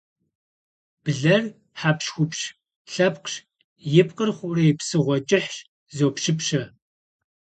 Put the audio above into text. Блэр хьэпщхупщ лъэпкъщ, и пкъыр хъурей псыгъуэ кӏыхьщ, зопщыпщэ.